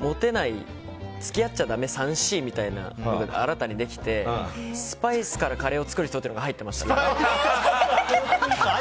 モテない付き合っちゃだめな３Ｃみたいなのが新たにできてスパイスからカレーを作る人っていうのが入ってましたね。